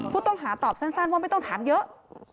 ผู้ต้องหาตอบสั้นว่าไม่ต้องถามเยอะ